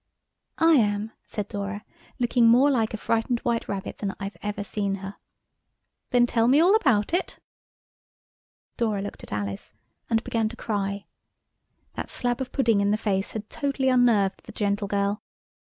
"I am," said Dora, looking more like a frightened white rabbit than I've ever seen her. "Then tell me all about it." Dora looked at Alice and began to cry. That slab of pudding in the face had totally unnerved the gentle girl.